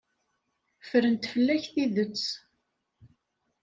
Ffrent fell-ak tidet.